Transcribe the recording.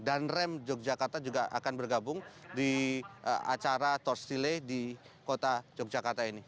dan rem yogyakarta juga akan bergabung di acara torsele di kota yogyakarta ini